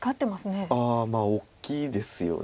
まあ大きいですよね。